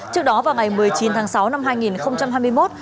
trước đó vào ngày một mươi chín tháng sáu năm hai nghìn một mươi chín